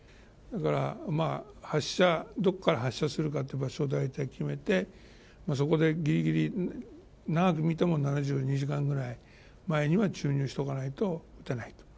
だから、どこから発射するか場所を大体決めてそこで長く見ても７２時間ぐらい前には注入しておかないと打てない。